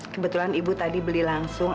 kebetulan ibu tadi beli langsung